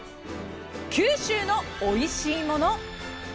九州のおいしいもの。